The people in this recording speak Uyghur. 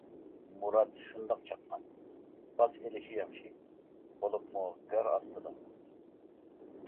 مۇرات شۇنداق چاققان، پاس ئېلىشى ياخشى، بولۇپمۇ گار ئاستىدا.